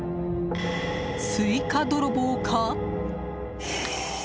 スイカ泥棒か？